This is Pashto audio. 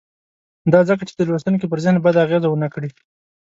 دا ځکه چې د لوستونکي پر ذهن بده اغېزه ونه کړي.